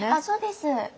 そうです。